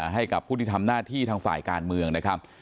ให้กับผู้ที่ทำหน้าที่ทางฝ่ายการเมืองนะครับ